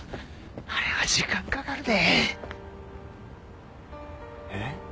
あれは時間かかるで。